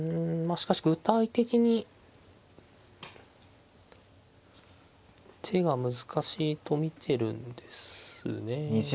しかし具体的に手が難しいと見てるんですね。